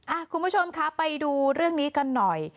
คุณผู้ชมคะไปดูเรื่องนี้กันหน่อย